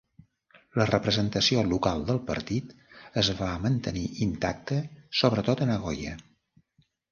La representació local del partit es va mantenir intacte, sobretot a Nagoya.